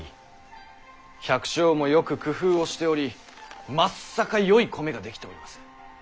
百姓もよく工夫をしておりまっさかよい米が出来ております。